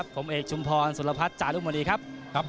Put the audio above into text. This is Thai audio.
ผมเอกชุมพรสุรพัฒน์จารุมณีครับ